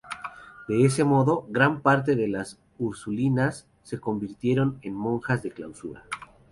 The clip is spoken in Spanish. De ese modo, gran parte de las ursulinas se convirtieron en monjas de clausura.